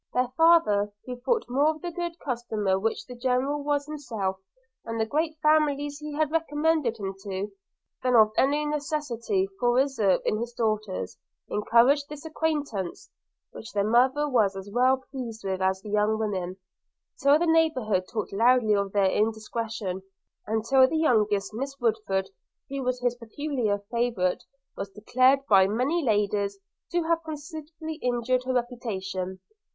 Their father, who thought more of the good customer which the General was himself, and the great families he had recommended him to, than of any necessity for reserve in his daughters, encouraged this acquaintance (which their mother was as well pleased with as the young women) till the neighbourhood talked loudly of their indiscretion, and till the youngest Miss Woodford, who was his peculiar favourite, was declared by many ladies to have considerably injured her reputation.